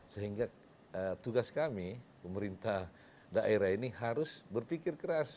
sehingga tugas kami pemerintah daerah ini harus berpikir keras